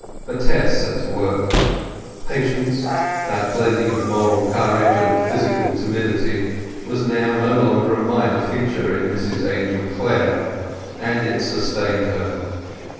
But Tess set to work. Patience, that blending of moral courage with physical timidity, was now no longer a minor feature in Mrs Angel Clare; and it sustained her.